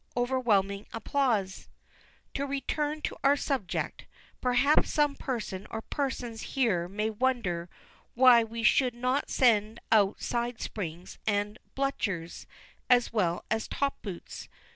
(Overwhelming applause.) To return to our subject. Perhaps some person or persons here may wonder why we should not send out side springs and bluchers, as well as top boots.